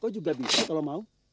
kau juga bisa kalau mau